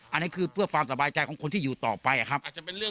อันนี้คือเพื่อความสบายใจของคนที่อยู่ต่อไปครับ